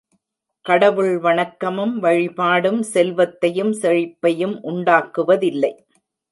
கடவுள் வணக்கமும் வழிபாடும் செல்வத்தையும் செழிப்பையும் உண்டாக்குவதில்லை.